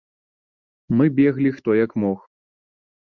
Мы беглі хто як мог.